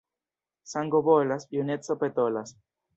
Sango bolas, juneco petolas.